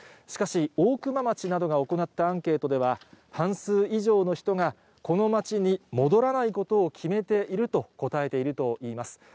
しかし、大熊町などが行ったアンケートでは、半数以上の人が、この町に戻らないことを決めていると答えているといいます。